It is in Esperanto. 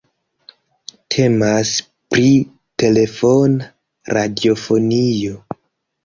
Temas pri telefona radiofonio.